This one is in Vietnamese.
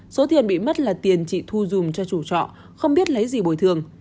số tiền bị mất là tiền chị thu dùng cho chủ trọ không biết lấy gì bồi thường